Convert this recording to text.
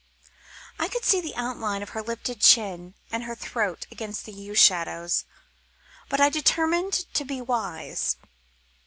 I could see the outline of her lifted chin and her throat against the yew shadows, but I determined to be wise.